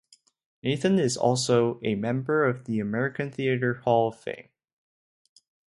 Nathan is also a member of the American Theater Hall of Fame.